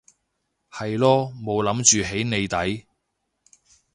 係囉冇諗住起你底